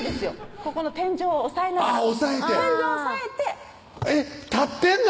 ここの天井を押さえながらあぁ押さえて天井押さえてえっ立ってんの？